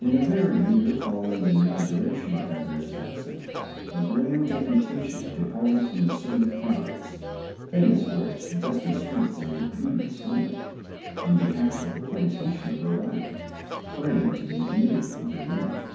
In the very year following the inauguration of Governor Stuyvesant, a grand deputation departed from the city of Providence (famous for its dusty streets and beauteous women) in behalf of the plantation of Rhode Island, praying to be admitted into the league.